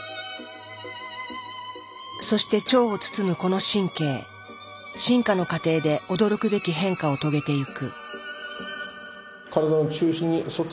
そして腸を包むこの神経進化の過程で驚くべき変化を遂げてゆく。